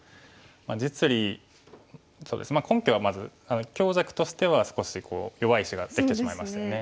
実利根拠はまず強弱としては少し弱い石ができてしまいましたね。